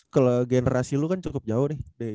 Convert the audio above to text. kalau generasi lu kan cukup jauh nih